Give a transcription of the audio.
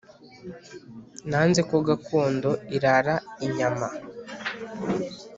nanze ko gakondo irara inyama